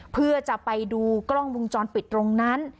เพื่อจะไปดูกล้องวงจรปิดตรงนั้น